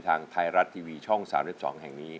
ทางไทยรัฐทีวีช่อง๓๒แห่งนี้